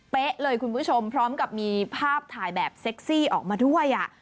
เลยคุณผู้ชมพร้อมกับมีภาพถ่ายแบบเซ็กซี่ออกมาด้วยอ่ะ